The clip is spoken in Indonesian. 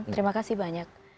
terima kasih banyak